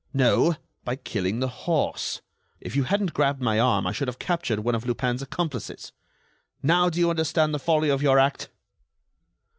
"No—by killing the horse. If you hadn't grabbed my arm, I should have captured one of Lupin's accomplices. Now, do you understand the folly of your act?"